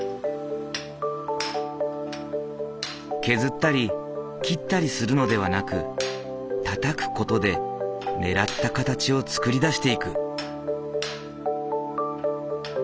削ったり切ったりするのではなくたたく事でねらった形を作り出していく。